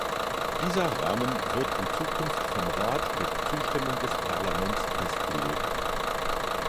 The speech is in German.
Dieser Rahmen wird in Zukunft vom Rat mit Zustimmung des Parlaments festgelegt.